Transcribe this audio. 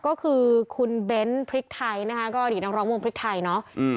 ก็คือคุณเบ้นพริกไทยนะคะก็อดีตนักร้องวงพริกไทยเนาะ